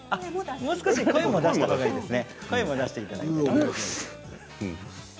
もう少し声も出したほうがいいですね。